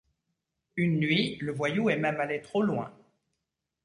Une nuit, le voyou est même allé trop loin.